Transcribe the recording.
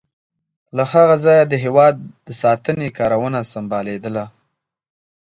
له هغه ځایه د هېواد د ساتنې کارونه سمبالیدل.